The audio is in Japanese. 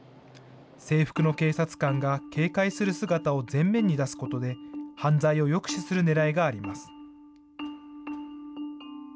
制服の警察官が警戒する姿を前面に出すことで、犯罪を抑止するねらいがあります。